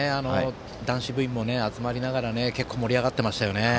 男子部員も集まりながら結構、盛り上がっていましたね。